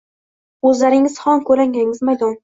O`zlaring Xon ko`lankangiz maydon